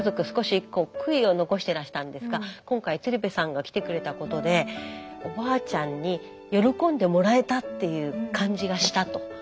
少しこう悔いを残してらしたんですが今回鶴瓶さんが来てくれたことでおばあちゃんに喜んでもらえたっていう感じがしたと。